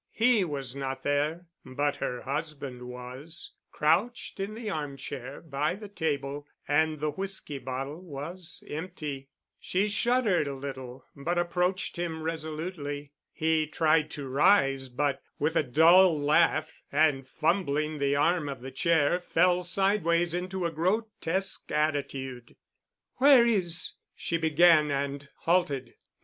He was not there, but her husband was,—crouched in the armchair by the table and the whisky bottle was empty. She shuddered a little but approached him resolutely. He tried to rise but, with a dull laugh and fumbling the arm of the chair, fell sideways into a grotesque attitude. "Where is——?" she began, and halted.